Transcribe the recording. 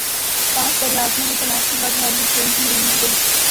پانچ براعظموں میں تلاش کے بعد ہولی وڈ فلم کی ہیروئن مل گئی